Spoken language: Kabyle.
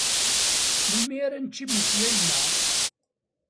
Melmi ara necc imensi a yemma?